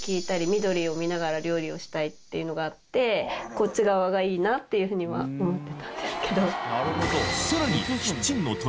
こっち側がいいなっていうふうには思ってたんですけど。